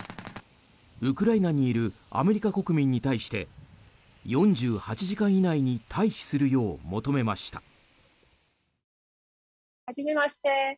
ウクライナにいるアメリカ国民に対して４８時間以内に退避するよう求めました。